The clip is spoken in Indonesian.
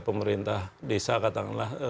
pemerintah desa katakanlah